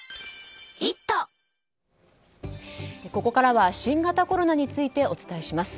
ここからは新型コロナについてお伝えします。